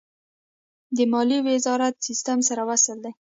د مالیې وزارت سیستم سره وصل دی؟